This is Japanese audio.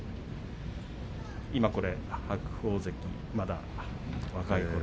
今、これ白鵬関まだ若いころの。